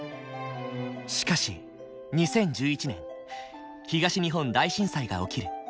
しかし２０１１年東日本大震災が起きる。